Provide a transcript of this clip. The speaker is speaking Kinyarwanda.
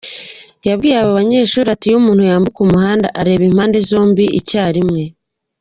Yabwiye abo banyeshuri ati” iyo umuntu yambuka umuhanda areba impande zombi icyarimwe.